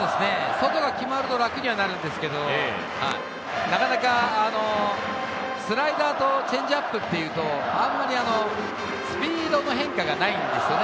外が決まると楽にはなるんですけど、なかなかスライダーとチェンジアップっていうと、あんまりスピードの変化がないんですよね。